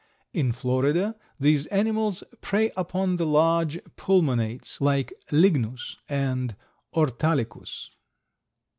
In Florida these animals prey upon the large pulmonates like Lignus and Orthalicus.